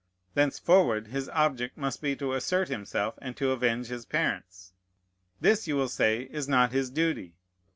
Thenceforward his object must be to assert himself and to avenge his parents. This you will say is not his duty.